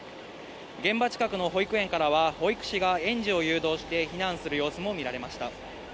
現場近くの保育園からは、保育士が園児を誘導して避難する様子も見られました。